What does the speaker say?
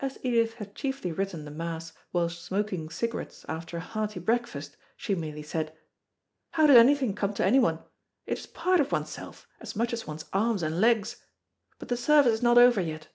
As Edith had chiefly written the Mass while smoking cigarettes after a hearty breakfast she merely said, "How does anything come to anyone? It is part of oneself, as much as one's arms and legs. But the service is not over yet."